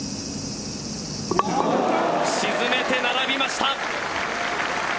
沈めて並びました。